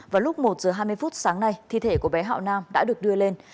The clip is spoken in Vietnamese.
vào lúc một giờ hai mươi phút sáng nay thi thể của bé hạo nam đã được đưa lên